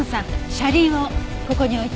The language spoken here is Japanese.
車輪をここに置いて。